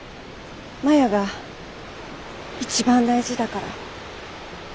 マヤが一番大事だから。